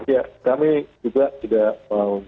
ya kami juga tidak mau